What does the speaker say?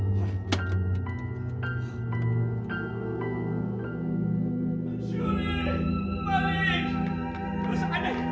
pelusa anak kita